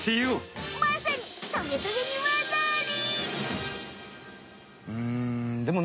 まさにトゲトゲにわざあり！